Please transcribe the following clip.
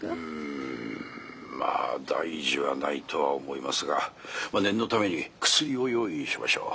うんまあ大事はないとは思いますがまあ念のために薬を用意しましょう。